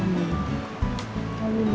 aku juga kangen banget bersama